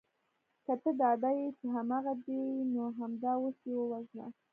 که ته ډاډه یې چې هماغه دی نو همدا اوس یې ووژنه